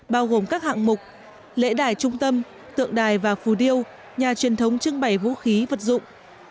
bao gồm các hạng mục lễ đài trung tâm tượng đài và phù điêu nhà truyền thống trưng bày vũ khí vật dụng